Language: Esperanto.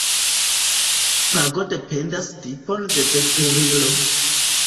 Pago dependas tipon de veturilo.